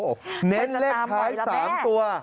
เห็นและตามไว้แล้วแม่เนตเลขท้าย๓ตัว